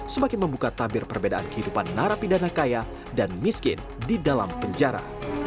semakin membuka tabir perbedaan kehidupan narapidana kaya dan miskin di dalam penjara